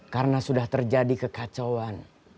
karena sudah terjadi kekacauan